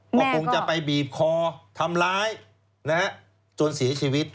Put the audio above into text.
ก็คงจะไปบีบคอทำร้ายจนเสียชีวิต